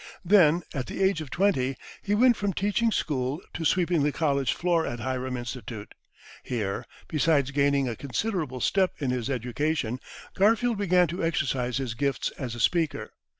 Then, at the age of twenty, he went from teaching school to sweeping the college floor at Hiram Institute. Here, besides gaining a considerable step in his education, Garfield began to exercise his gifts as a speaker.